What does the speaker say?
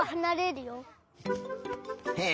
へえ。